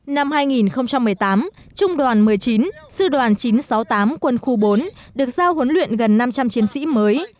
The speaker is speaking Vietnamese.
năm hai nghìn một mươi tám trung đoàn một mươi chín sư đoàn chín trăm sáu mươi tám quân khu bốn được giao huấn luyện gần năm trăm linh chiến sĩ mới